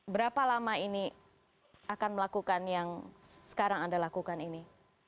berapa lama ini akan melakukan yang sekarang anda lakukan ini